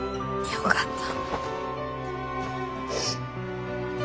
よかった。